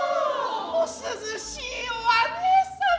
お涼しいお姉様。